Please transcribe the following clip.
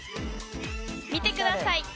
見てください。